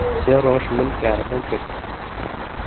سێ ڕۆژ من کارەکەم کرد